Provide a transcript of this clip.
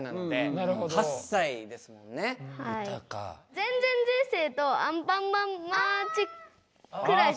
「前前前世」とアンパンマンマーチくらいしか。